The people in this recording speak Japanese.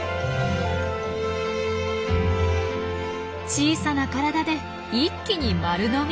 小さな体で一気に丸飲み！